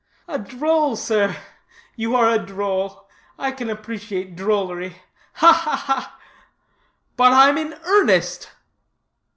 "A droll, sir; you are a droll. I can appreciate drollery ha, ha, ha!" "But I'm in earnest."